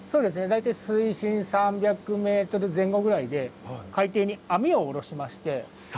大体水深３００ｍ前後ぐらいで海底に網を下ろしまして。